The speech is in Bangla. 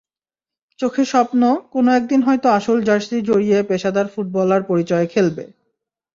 চোখে স্বপ্ন, কোনো একদিন হয়তো আসল জার্সি জড়িয়ে পেশাদার ফুটবলার পরিচয়ে খেলবে।